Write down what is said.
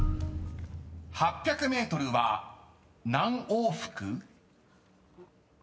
［８００ｍは何往復？］